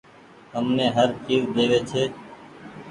همني هر چئيز ۮيوي ڇي